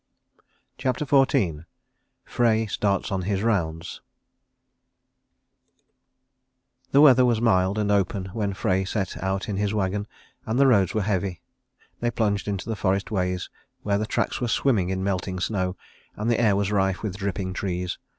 CHAPTER XIV FREY STARTS ON HIS ROUNDS The weather was mild and open when Frey set out in his wagon, and the roads were heavy. They plunged into the forest ways, where the tracks were swimming in melting snow, and the air was rife with dripping trees.